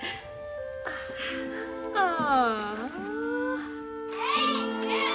ああ。